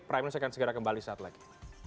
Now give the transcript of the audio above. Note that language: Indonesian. prime news akan segera kembali saat lagi